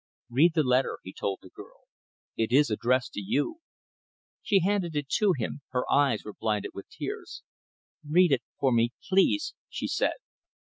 "Read the letter," he told the girl. "It is addressed to you." She handed it to him. Her eyes were blinded with tears. "Read it for me, please," she said.